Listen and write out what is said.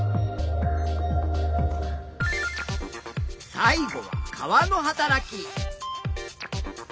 最後は川のはたらき。